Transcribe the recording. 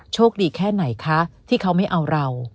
โชคดีแค่ไหนคะที่เขาไม่เอาเรา